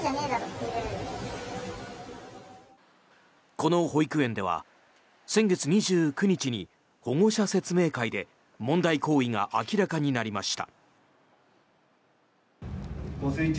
この保育園では先月２９日に保護者説明会で問題行為が明らかになりました。